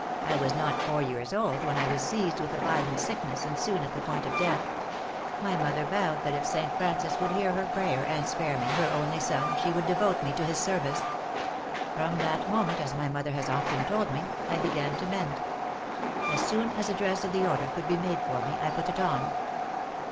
I was not four years old when I was seized with a violent sickness, and, soon at the point of death. My mother vowed that if St. Francis would hear her prayer, and spare me, her only son, she would devote me to his service. From that moment, as my mother has often told me, I began to mend. As soon as a dress of the order could be made for me, I put it on.